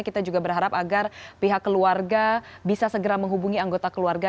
kita juga berharap agar pihak keluarga bisa segera menghubungi anggota keluarga